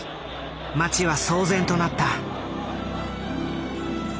街は騒然となった。